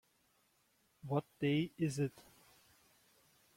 What day is it?